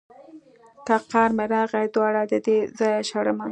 که قار مې راغی دواړه ددې ځايه شړمه.